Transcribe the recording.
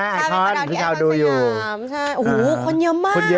ชุดเรื้อคนจำได้คนจำได้คนจำได้เยอะไหม